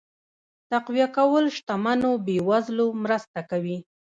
تقويه کول شتمنو بې وزلو مرسته کوي.